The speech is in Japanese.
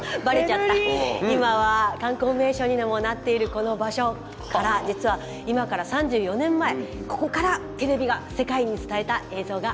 今は観光名所にもなっているこの場所から実は今から３４年前ここからテレビが世界に伝えた映像がこちらです。